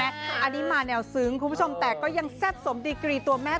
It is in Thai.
อันนี้มาแนวซึ้งคุณผู้ชมแต่ก็ยังแซ่บสมดีกรีตัวแม่